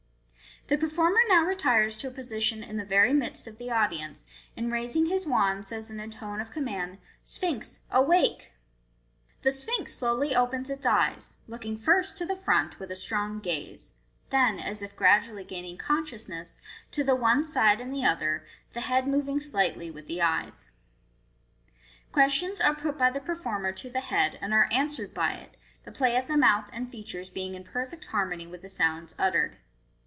The performer now retires to a position in the very midst of the audience, and raising his wand, says in a tone of command, " Sphinx, awake !" The Sphinx slowly opens its eyes, looking first to the front with a strong gaze j then, as if gradually gaining consciousness, to the one side and the other, the head moving slightly with the eyes. Questions are put by the performer to the head, and are answered by it, the play of the mouth and features being in perfect harmony with the sounds uttered.